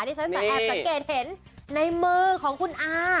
ที่ฉันแอบสังเกตเห็นในมือของคุณอา